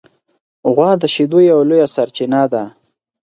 غوا د شیدو یوه لویه سرچینه ده.